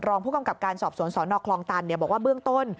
รองผู้กำกับการสอบสวนสนคลองตันบอกว่าเบื้องต้น